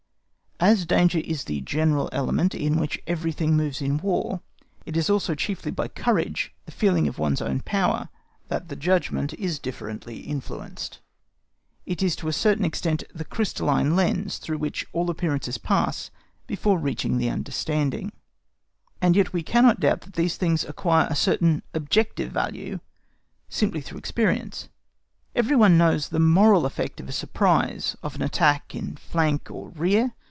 As danger is the general element in which everything moves in War, it is also chiefly by courage, the feeling of one's own power, that the judgment is differently influenced. It is to a certain extent the crystalline lens through which all appearances pass before reaching the understanding. And yet we cannot doubt that these things acquire a certain objective value simply through experience. Every one knows the moral effect of a surprise, of an attack in flank or rear.